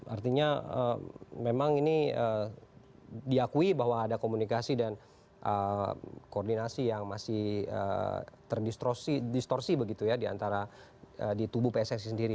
artinya memang ini diakui bahwa ada komunikasi dan koordinasi yang masih terdistorsi begitu ya diantara di tubuh pssi sendiri